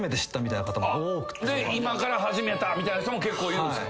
今から始めたみたいな人も結構いるんですか。